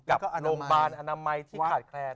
กับโรงพยาบาลอนามัยที่ขาดแคลน